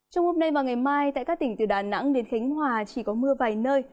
trong hôm nay và ngày mai tại các tỉnh từ đà nẵng đến khánh hòa chỉ có mưa vài nơi